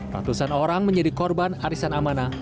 ratusan orang menjadi korban arisan amanah